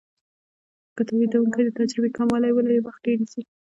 که تولیدونکی د تجربې کموالی ولري وخت ډیر نیسي.